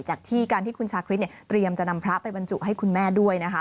จากที่การที่คุณชาคริสเนี่ยเตรียมจะนำพระไปบรรจุให้คุณแม่ด้วยนะคะ